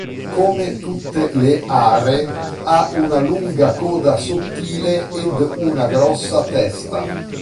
Come tutte le are, ha una lunga coda sottile ed una grossa testa.